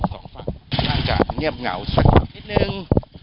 สองฝั่งน่าจะเงียบเหงาสักนิดนึง